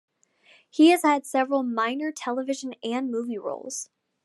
He has had several minor television and movie roles.